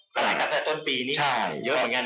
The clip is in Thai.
สำหรับตั้งแต่ต้นปีนี้เยอะกว่างานนะ